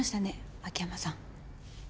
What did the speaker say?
秋山さん。